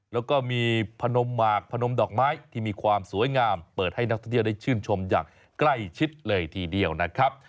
แล้วก็มีพนมหมากพนมดอกไม้ที่มีความสวยงามเปิดให้นักท่องเที่ยวได้ชื่นชมอย่างใกล้ชิดเลยทีเดียวนะครับ